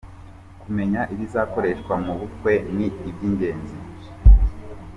Kumenya ibizakoreshwa mu bukwe ni ibyingenzi.